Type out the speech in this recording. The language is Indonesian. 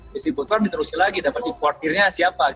distributor diterusin lagi dapat importirnya siapa